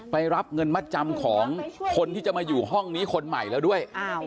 รับเงินมัดจำของคนที่จะมาอยู่ห้องนี้คนใหม่แล้วด้วย